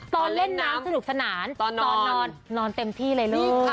ตอนเล่นน้ำสนุกสนานตอนนอนนอนเต็มที่เลยลูก